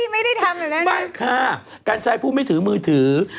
ไม่ค่ะการใช้ผู้ไม่ถือมือถือ